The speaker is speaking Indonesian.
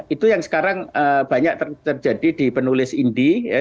itu yang sekarang banyak terjadi di penulis indie